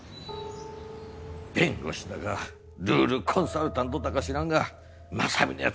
弁護士だかルールコンサルタントだか知らんが正美の奴